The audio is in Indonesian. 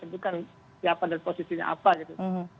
saya sedukan siapa dan posisinya apa gitu